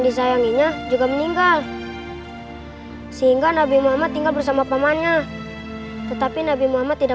disayanginya juga meninggal sehingga nabi muhammad tinggal bersama pamannya tetapi nabi muhammad tidak